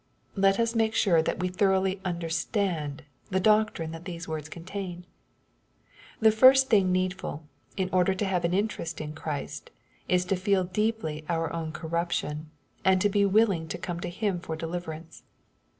Let us make sure that we thoroughly understand the doctrine that these words contain. The first thing need ful, in order to have an interest in Christ, is to feel deeply our own corruption, and to be willing to come to Him for deliverance.